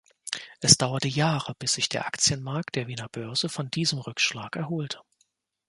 Es dauerte Jahre, bis sich der Aktienmarkt der Wiener Börse von diesem Rückschlag erholte.